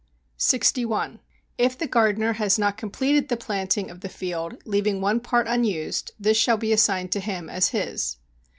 61. If the gardener has not completed the planting of the field, leaving one part unused, this shall be assigned to him as his.